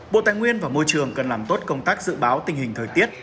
bộ tài nguyên và môi trường cần làm tốt công tác dự báo tình hình thời tiết